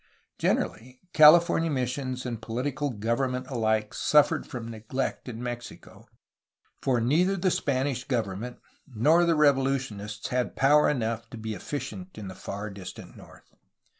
Generally, California missions and political government alike suffered from neglect in Mexico, for neither the Spanish government nor the revolutionists had power enough to be efficient in the far distant north.